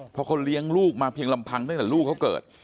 เพราะเขาเลี้ยงลูกมาเพียงลำพังตั้งแต่ลูกเขาเกิด